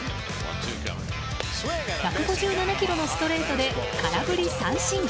１５７キロのストレートで空振り三振。